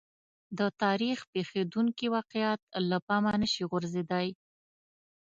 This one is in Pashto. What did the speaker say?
د تاریخ پېښېدونکي واقعات له پامه نه شي غورځېدای.